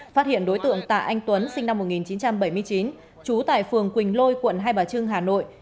phát hiện đối tượng tạ anh tuấn sinh năm một nghìn chín trăm bảy mươi chín trú tại phường quỳnh lôi quận hai bà trưng hà nội